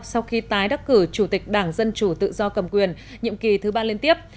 sau khi tái đắc cử chủ tịch đảng dân chủ tự do cầm quyền nhiệm kỳ thứ ba liên tiếp